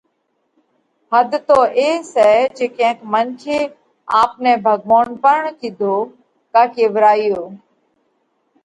حڌ تو اي سئہ جي ڪينڪ منکي آپ نئہ ڀڳوونَ پڻ ڪِيڌو ڪا ڪيوَرايو۔